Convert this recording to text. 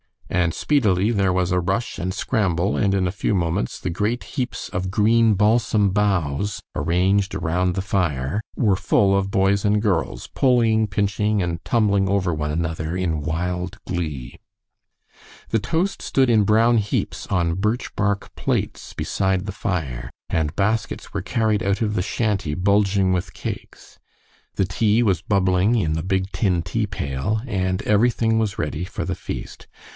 And speedily there was a rush and scramble, and in a few moments the great heaps of green balsam boughs arranged around the fire were full of boys and girls pulling, pinching, and tumbling over one another in wild glee. The toast stood in brown heaps on birch bark plates beside the fire, and baskets were carried out of the shanty bulging with cakes; the tea was bubbling in the big tin tea pail, and everything was ready for the feast.